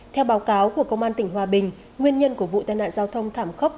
theo báo cáo của công an tỉnh hòa bình nguyên nhân của vụ tai nạn giao thông thảm khốc